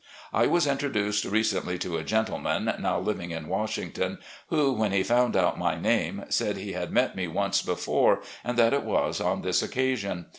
I was introduced recently to a gentleman, now living in Washington, who, when he found out my name, said he had met me once before and that it was on this occasion.